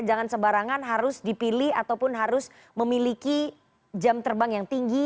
jangan sebarangan harus dipilih ataupun harus memiliki jam terbang yang tinggi